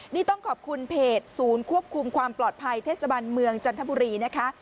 นี่ต้องขอบคุณเพจศูนย์ควบคุมความปลอดภัยเทศบันเมืองจันทบุรีนะคะ